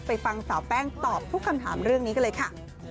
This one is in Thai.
ฟังสาวแป้งตอบทุกคำถามเรื่องนี้กันเลยค่ะ